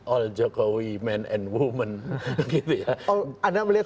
all jokowi men and women anda melihat